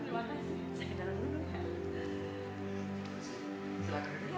terima kasih saya ke dalam dulu ya